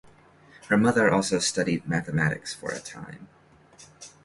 Her mother also studied mathematics for a time.